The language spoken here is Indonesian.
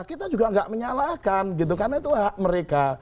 kita juga tidak menyalahkan karena itu hak mereka